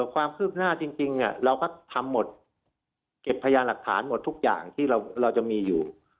ความคืบหน้าจริงเราก็ทำหมดเก็บพยานหลักฐานหมดทุกอย่างที่เราจะมีอยู่